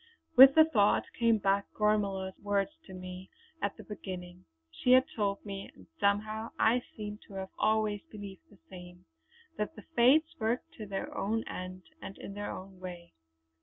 With the thought came back Gormala's words to me at the beginning. She had told me, and somehow I seemed to have always believed the same, that the Fates worked to their own end and in their own way.